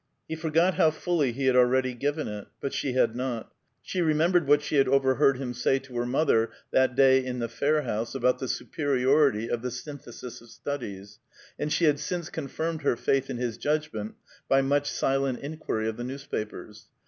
He forgot how fully he had already given it; but she had not. She remembered what she had overheard him say to her mother, that day in the Fair House, about the superiority of the Synthesis of Studies, and she had since confirmed her faith in his judgment by much silent inquiry of the newspapers.